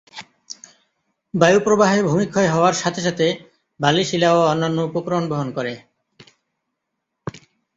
বায়ু প্রবাহে ভূমিক্ষয় হওয়ার সাথে সাথে বালি, শিলা ও অন্যান্য উপকরণ বহন করে।